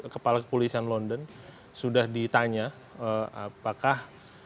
kepala kepolisian london sudah ditanya apakah